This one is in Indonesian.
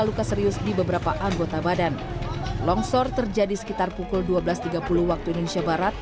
luka serius di beberapa anggota badan longsor terjadi sekitar pukul dua belas tiga puluh waktu indonesia barat